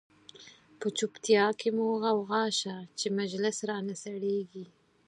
په چوپتیا کی مو غوغا شه، چه مجلس را نه سړیږی